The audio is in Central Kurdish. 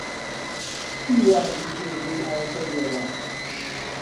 چی وا زوو تۆی هێناوەتە ئێرە؟